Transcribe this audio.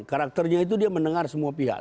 karakternya itu dia mendengar semua pihak